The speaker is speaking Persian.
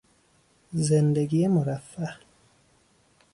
زندگی مرفه